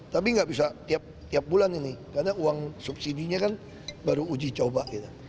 tapi nggak bisa tiap bulan ini karena uang subsidi nya kan baru uji coba